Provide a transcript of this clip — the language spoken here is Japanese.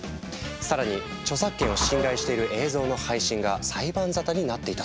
更に著作権を侵害している映像の配信が裁判沙汰になっていたそう。